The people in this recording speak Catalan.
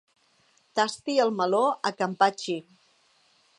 Tasti el meló a can Patxi.